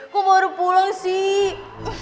kok baru pulang sih